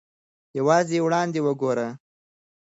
یوازې وړاندې وګورئ.